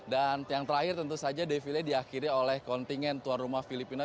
yang terakhir tentu saja defile diakhiri oleh kontingen tuan rumah filipina